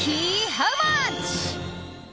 ハウマッチ。